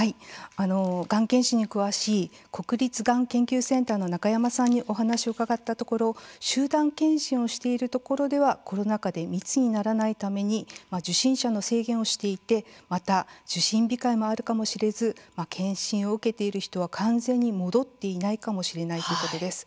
がん検診に詳しい国立がん研究センターの中山さんに話を聞いたところ集団検診をしているところではコロナ禍で密にならないように受診者を制限していたりまた受診控えもあるかもしれず検診を受けている人は完全に戻っていないかもしれないということでした。